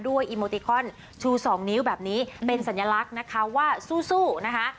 อีโมติคอนชู๒นิ้วแบบนี้เป็นสัญลักษณ์นะคะว่าสู้นะคะ